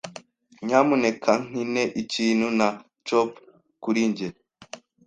Nyamuneka nkine ikintu na Chopin kuri njye.